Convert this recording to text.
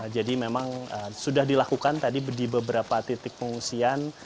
jadi memang sudah dilakukan tadi di beberapa titik pengusian